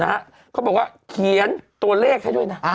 เขาบอกว่าเขียนตัวเลขให้ด้วยนะ